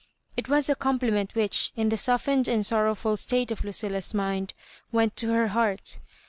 It was a compliment which, in the sollen ed and sorrowful state of Lucilla's mind, went to her heart.